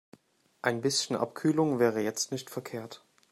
Ein bisschen Abkühlung wäre jetzt nicht verkehrt.